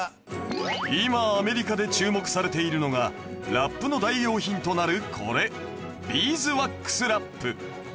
今アメリカで注目されているのがラップの代用品となるこれビーズワックスラップ。